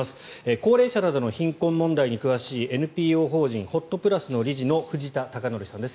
高齢者などの貧困問題に詳しいＮＰＯ法人ほっとプラスの理事の藤田孝典さんです。